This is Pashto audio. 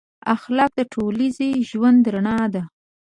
اخلاق د ټولنیز ژوند رڼا ده.